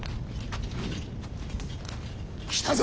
来たぞ！